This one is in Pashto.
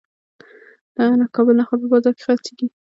د کابل نخود په بازار کې خرڅیږي.